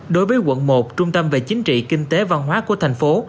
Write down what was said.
đối với quận một trung tâm về chính trị kinh tế văn hóa của thành phố